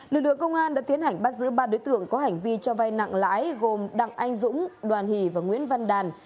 lực lượng công an đã tiến hành bắt giữ ba đối tượng có hành vi cho vai nặng lãi gồm đặng anh dũng đoàn hỷ và nguyễn văn đàn